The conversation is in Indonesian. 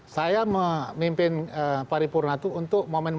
saya memimpin paripurna itu untuk momen momen tertentu